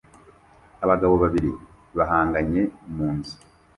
Abagabo babiri bahanganye mu nzu